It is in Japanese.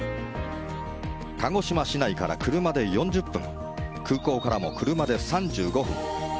鹿児島市内から車で４０分空港からも車で３５分。